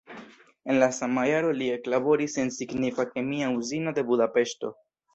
En la sama jaro li eklaboris en signifa kemia uzino de Budapeŝto.